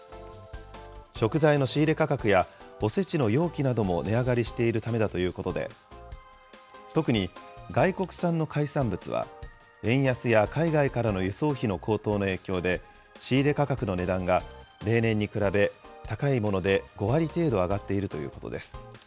食材の仕入れ価格やおせちの容器なども値上がりしているためだということで、特に外国産の海産物は、円安や海外からの輸送費の高騰の影響で、しいれかかくのねだんが例年に比べ、高いもので５割程度上がっているということです。